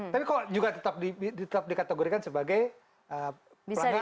tapi kok juga tetap dikategorikan sebagai pelanggaran